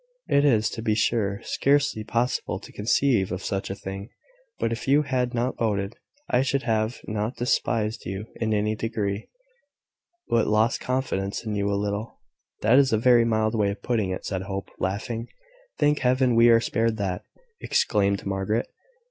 It is, to be sure, scarcely possible to conceive of such a thing, but if you had not voted, I should have not despised you in any degree, but lost confidence in you a little." "That is a very mild way of putting it," said Hope, laughing. "Thank Heaven, we are spared that!" exclaimed Margaret.